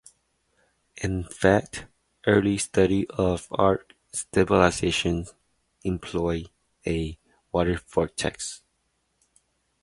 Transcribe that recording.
In fact, early studies of arc stabilization employed a water-vortex.